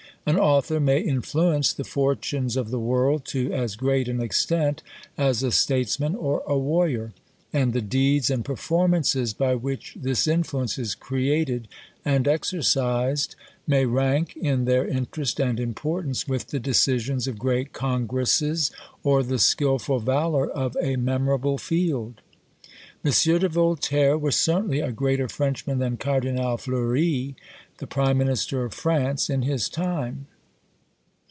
An author may influence the fortunes of the world to as great an extent as a statesman or a warrior; and the deeds and performances by which this influence is created and exercised, may rank in their interest and importance with the decisions of great Congresses, or the skilful valour of a memorable field. M. de Voltaire was certainly a greater Frenchman than Cardinal Fleury, the Prime Minister of France in his time.